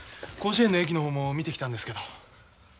甲子園の駅の方も見てきたんですけど。